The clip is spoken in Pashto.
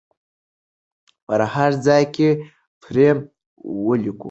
په هر ځای کې پرې ولیکو.